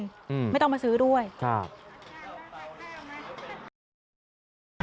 อืมไม่ต้องมาซื้อด้วยครับ